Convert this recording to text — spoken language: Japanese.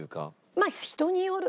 まあ人による。